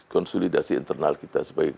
konsolidasi internal kita sebagai